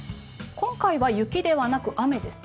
今回は雪ではなく雨ですか？